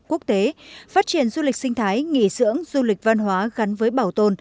quốc tế phát triển du lịch sinh thái nghỉ dưỡng du lịch văn hóa gắn với bảo tồn